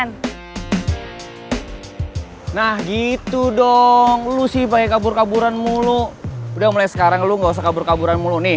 nah gitu dong senyum senyum